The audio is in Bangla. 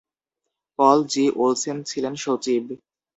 পল জি. ওলসেন ছিলেন সচিব।